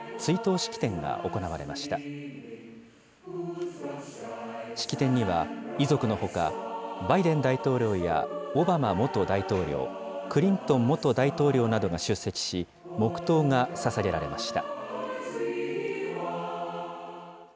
式典には遺族のほか、バイデン大統領やオバマ元大統領、クリントン元大統領などが出席し、黙とうがささげられました。